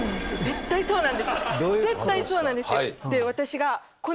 絶対そうなんですよ。